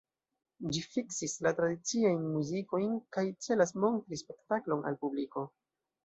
Ĝi fiksis la tradiciajn muzikojn kaj celas montri spektaklon al publiko.